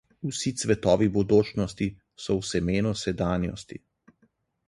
Vsi cvetovi bodočnosti so v semenu sedanjosti.